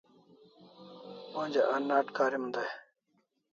Onja a nat karim dai